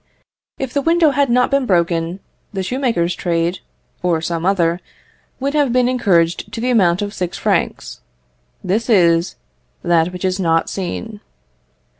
If the window had not been broken, the shoemaker's trade (or some other) would have been encouraged to the amount of six francs: this is that which is not seen.